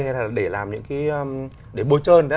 hay là để làm những cái bôi trơn